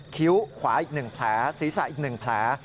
คิ้วขวาอีก๑แผลศีรษะอีก๑แผล